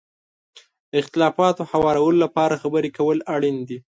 د اختلافاتو هوارولو لپاره خبرې کول اړین دي.